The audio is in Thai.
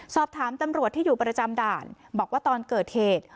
สอบถามตำรวจที่อยู่ประจำด่านบอกว่าตอนเกิดเหตุ